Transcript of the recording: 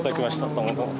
どうもどうも。